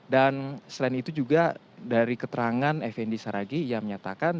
dan selain itu juga dari keterangan effendi saragih ia menyatakan